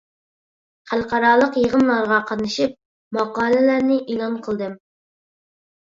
خەلقئارالىق يىغىنلارغا قاتنىشىپ ماقالىلەرنى ئېلان قىلدىم.